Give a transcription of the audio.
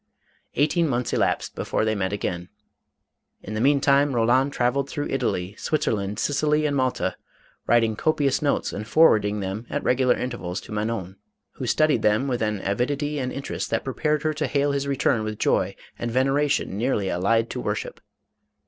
Eighteen months elapsed before they met again. In the meantime, Eolaud trav elled through Italy, Switzerland, Sicily and Malta, writing copious notes and forwarding them at regular intervals to Manon, who studied them with an avidity and interest that prepared her to hail his return with joy and veneration nearly allied to worship.